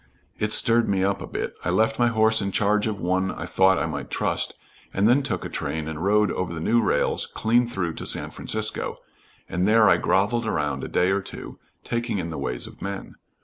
"It stirred me up a bit. I left my horse in charge of one I thought I might trust, and then took a train and rode over the new rails clean through to San Francisco, and there I groveled around a day or two, taking in the ways of men.